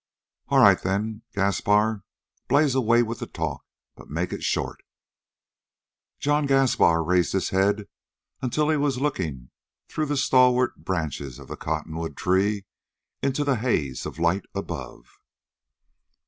"All right then, Gaspar. Blaze away with the talk, but make it short." John Gaspar raised his head until he was looking through the stalwart branches of the cottonwood tree, into the haze of light above.